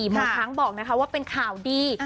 หมอช้างบอกนะคะว่าเป็นข่าวดี